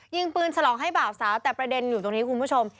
ยิงปืนฉลองให้บ่าวสาวแต่ประเด็นอยู่ตรงนี้คุณผู้ชม